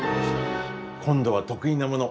今度は得意なもの